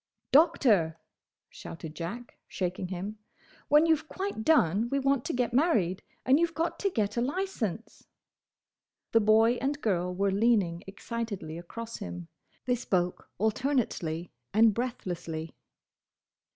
"Doctor!" shouted Jack, shaking him, "when you 've quite done, we want to get married; and you 've got to get a licence!" The boy and girl were leaning excitedly across him. They spoke alternately and breathlessly.